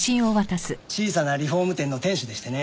小さなリフォーム店の店主でしてね。